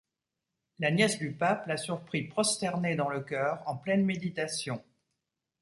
La nièce du pape la surprit prosternée dans le chœur en pleine méditation.